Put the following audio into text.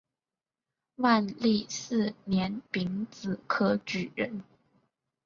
万历四年丙子科举人。